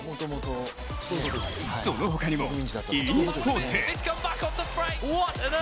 そのほかにもｅスポーツ。